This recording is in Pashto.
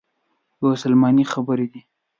یوه سلماني خبرې دي.